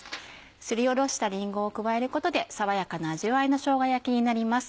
すりおろしたりんごを加えることで爽やかな味わいのしょうが焼きになります。